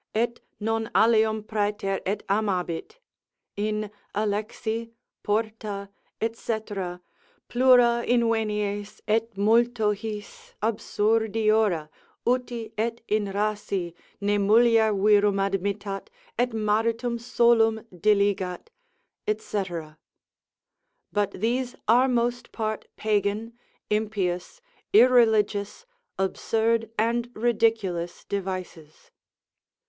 et non alium praeter et amabit. In Alexi. Porta, &c., plura invenies, et multo his absurdiora, uti et in Rhasi, ne mulier virum admittat, et maritum solum diligat, &c. But these are most part Pagan, impious, irreligious, absurd, and ridiculous devices.